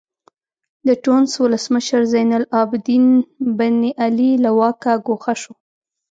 د ټونس ولسمشر زین العابدین بن علي له واکه ګوښه شو.